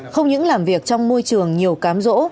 không những làm việc trong môi trường nhiều cám rỗ